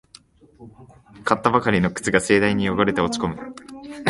買ったばかりの靴が盛大に汚れて落ちこむ